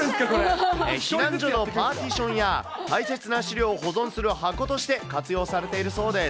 避難所のパーティションや、大切な資料を保存する箱として活用されているそうです。